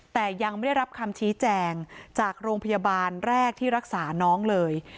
แต่ยังไม่ได้รับคำชี้แจงจากโรงพยาบาลแรกที่รักษาน้องเลย